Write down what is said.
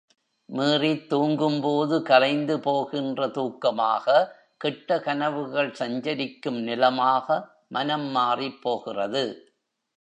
மீறித் தூங்கும்போது கலைந்து போகின்ற தூக்கமாக, கெட்ட கனவுகள் சஞ்சரிக்கும் நிலமாக மனம் மாறிப்போகிறது.